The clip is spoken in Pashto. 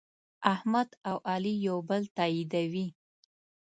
احمد او علي یو بل تأییدوي.